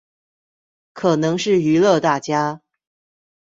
可能是娛樂大家